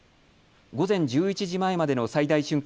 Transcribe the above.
午前１１時前までの最大瞬間